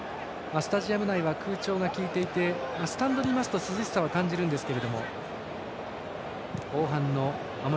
スタジアム内空調が利いていてスタンドにいますと涼しさを感じますけども。